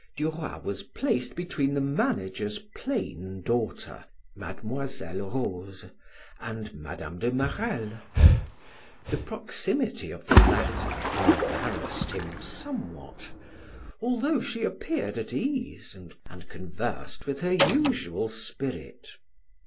Duroy was placed between the manager's plain daughter, Mlle. Rose, and Mme. de Marelle. The proximity of the latter embarrassed him somewhat, although she appeared at ease and conversed with her usual spirit.